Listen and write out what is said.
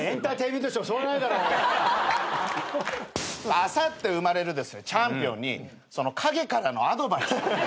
あさって生まれるチャンピオンに陰からのアドバイス。